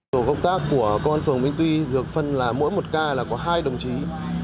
tổ công tác của công an phường minh tuy dược phân là mỗi một ca là có hai đồng chí